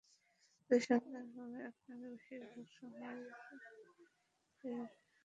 দুই সন্তান হলে আপনাকে বেশির ভাগ সময়ই রেফারি হয়ে কাটাতে হবে।